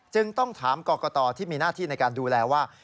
จึงต้องถามกรกตที่มีหน้าที่ในการดูแลว่า